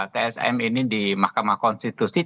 tsm ini di mahkamah konstitusi